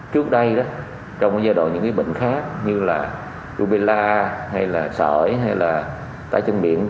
trước đây trong giai đoạn những bệnh khác như là rubella sợi tai chân miệng